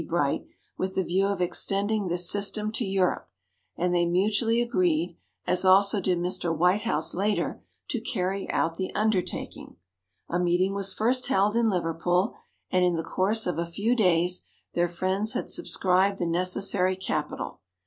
Bright) with the view of extending this system to Europe, and they mutually agreed, as also did Mr. Whitehouse later, to carry out the undertaking. A meeting was first held in Liverpool, and in the course of a few days their friends had subscribed the necessary capital.